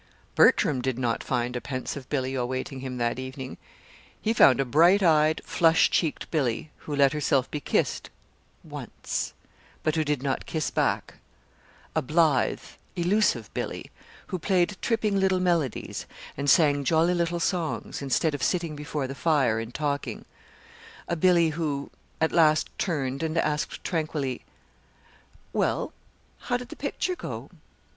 Bertram did not find a pensive Billy awaiting him that evening. He found a bright eyed, flushed cheeked Billy, who let herself be kissed once but who did not kiss back; a blithe, elusive Billy, who played tripping little melodies, and sang jolly little songs, instead of sitting before the fire and talking; a Billy who at last turned, and asked tranquilly: "Well, how did the picture go?"